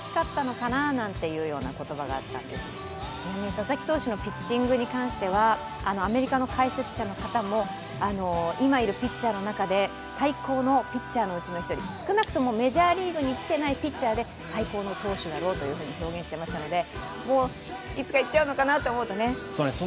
佐々木投手のピッチングに関しては、アメリカの解説者の方も、今いるピッチャーの中で最高のピッチャーのうちの１人、少なくともメジャーリーグに来ていないピッチャーの中で最高の投手だろうというふうに表現していますのでいつか行っちゃうのかなと思うとね。